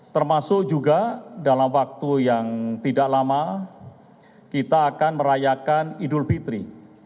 termasuk juga dalam waktu yang tidak lama kita akan merayakan idul fitri